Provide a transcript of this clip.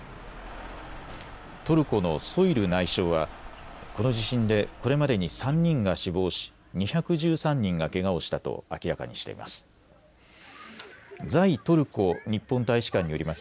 トルコのソイル内相はこの地震でこれまでに３人が死亡し２１３人がけがをしたと明らかにしています。